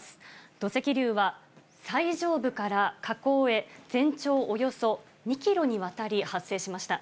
土石流は、最上部から河口へ、全長およそ２キロにわたり発生しました。